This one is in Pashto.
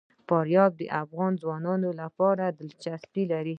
فاریاب د افغان ځوانانو لپاره دلچسپي لري.